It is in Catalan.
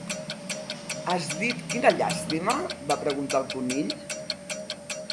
"Has dit 'Quina llàstima'?", va preguntar el Conill.